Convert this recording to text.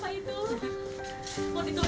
mau diturunkan dulu ya